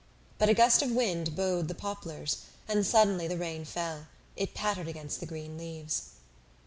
But a gust of wind bowed the poplars, and suddenly the rain fell; it pattered against the green leaves.